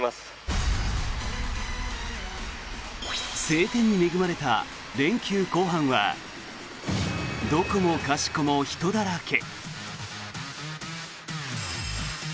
晴天に恵まれた連休後半はどこもかしこも人だらけ。